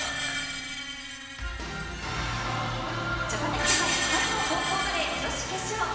ジャパネット杯春の高校バレー女子決勝。